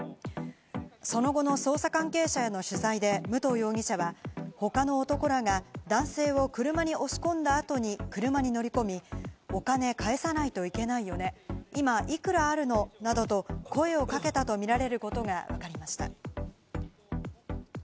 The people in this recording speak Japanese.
その後の捜査関係者への取材で武藤容疑者は、他の男らが男性を車に押し込んだ後に車に乗り込み、お金返さないといけないよね、今いくらあるの？などと声をかけたとみられることがわかりました。